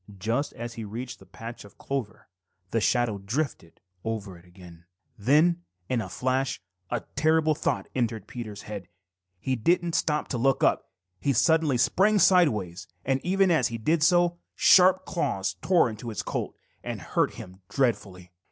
Just as he reached the patch of clover, the shadow drifted over it again. Then all in a flash a terrible thought entered Peter's head. He didn't stop to look up. He suddenly sprang sideways, and even as he did so, sharp claws tore his coat and hurt him dreadfully.